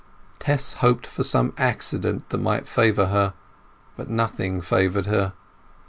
Tess hoped for some accident that might favour her, but nothing favoured her.